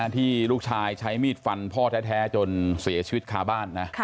ที่ลูกชายใช้มีดฟันพ่อแท้จนเสียชีวิตคาบ้านนะ